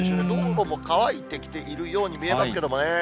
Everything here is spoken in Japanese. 道路も乾いてきているように見えますけどね。